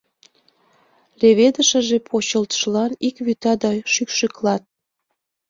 Леведышыже почылтшан ик вӱта да шӱкшӧ клат.